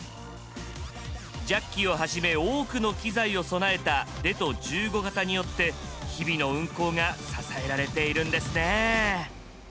ジャッキをはじめ多くの機材を備えたデト１５形によって日々の運行が支えられているんですね。